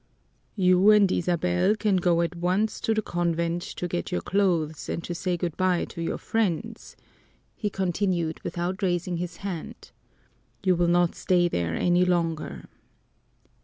"You and Isabel can go at once to the convent to get your clothes and to say good by to your friends," he continued, without raising his head. "You will not stay there any longer."